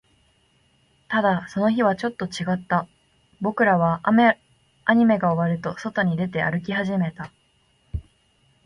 ただ、その日はちょっと違った。僕らはアニメが終わると、外に出て、歩き始めた。